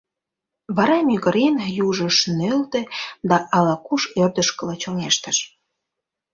Вара мӱгырен южыш нӧлтӧ да ала-куш ӧрдыжкыла чоҥештыш.